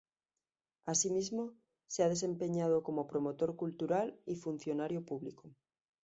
Asimismo se ha desempeñado como promotor cultural y funcionario público.